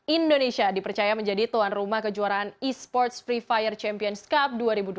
indonesia dipercaya menjadi tuan rumah kejuaraan e sports free fire champions cup dua ribu dua puluh